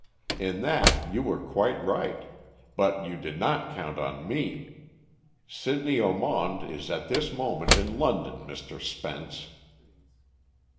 In that you were quite right, but you did not count on me. Sidney Ormond is at this moment in London, Mr. Spence."